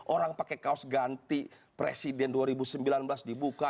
orang pakai kaos ganti presiden dua ribu sembilan belas dibuka